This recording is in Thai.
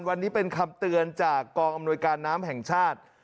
วันนี้เป็นคำเตือนจากกองอำนวยการน้ำแห่งชาติ